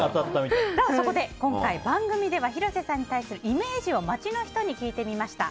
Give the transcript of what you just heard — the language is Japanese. そこで今回、番組では広瀬さんに対するイメージを街の人に聞いてみました。